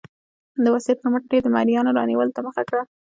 د وسلې پر مټ یې د مریانو رانیولو ته مخه کړه.